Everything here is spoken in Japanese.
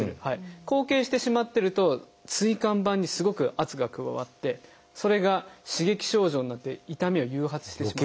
後傾してしまってると椎間板にすごく圧が加わってそれが刺激症状になって痛みを誘発してしまう。